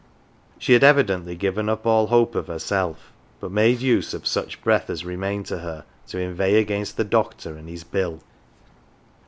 She had evidently given up all hope of herself, but made use of such breath as remained to her to inveigh against the doctor and his bill.